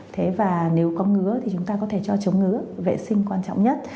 thế và nếu có ngứa thì chúng ta có thể cho chống ngứa vệ sinh quan trọng nhất